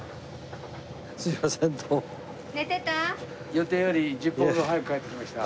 予定より１０分ほど早く帰ってきました。